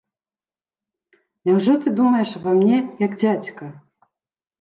Няўжо ты думаеш аба мне, як дзядзька?